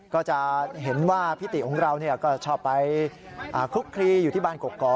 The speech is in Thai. ก็จะเห็นว่าพิติของเราก็ชอบไปคลุกคลีอยู่ที่บ้านกกอก